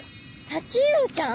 タチウオちゃん！？